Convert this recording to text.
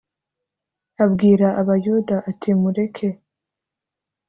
abwira Abayuda ati mureke